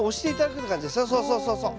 そうそうそうそうそう。